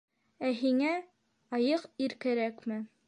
Ә һиңә... айыҡ ир кәрәкме.